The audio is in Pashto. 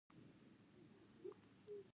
بدرګه د امنیت نښه ده